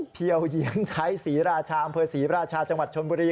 เพียวเยียงไทยศรีราชาอำเภอศรีราชาจังหวัดชนบุรี